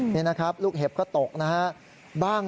นี่นะครับลูกเห็บก็ตกนะฮะ